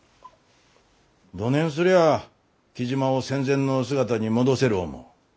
どねんすりゃあ雉真を戦前の姿に戻せる思う？